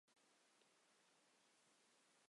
漂砂沉积是地质或矿业学上的专有名词。